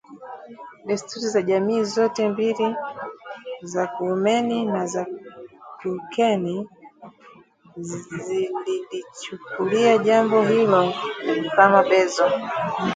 Desturi za jamii zote mbili za kuumeni na za kuukeni zililichukulia jambo hilo kama bezo